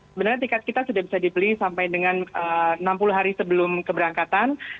sebenarnya tiket kita sudah bisa dibeli sampai dengan enam puluh hari sebelum keberangkatan